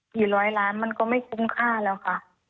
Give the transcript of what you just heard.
กี่ร้อยล้านมันก็ไม่คุ้มค่าแล้วค่ะ